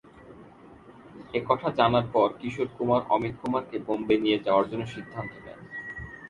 এ কথা জানার পর কিশোর কুমার অমিত কুমারকে বোম্বে নিয়ে যাওয়ার জন্য সিদ্ধান্ত নেন।